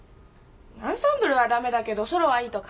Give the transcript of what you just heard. アンサンブルはダメだけどソロはいいとか。